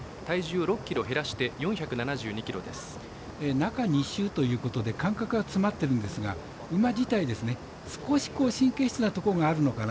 中２週ということで間隔は詰まっているんですが馬自体、少し神経質なところがあるのかな